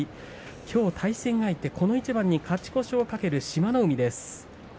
きょう対戦相手、この一番に勝ち越しを懸ける志摩ノ海です。